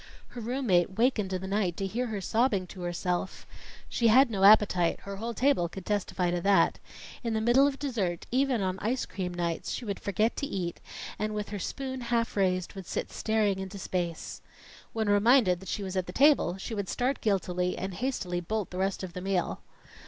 Her room mate wakened in the night to hear her sobbing to herself. She had no appetite her whole table could testify to that. In the middle of dessert, even on ice cream nights, she would forget to eat, and with her spoon half raised, would sit staring into space. When reminded that she was at the table, she would start guiltily and hastily bolt the rest of the meal.